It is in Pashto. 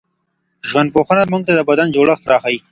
ژوندپوهنه موږ ته د بدن جوړښت راښيي.